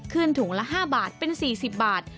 ถุงละ๕บาทเป็น๔๐บาท